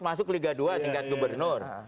masuk liga dua tingkat gubernur